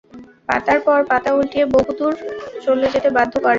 পাতার পর পাতা উল্টিয়ে বহুদর চলে যেতে বাধ্য করেন।